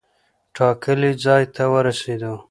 ټاکلي ځای ته ورسېدو.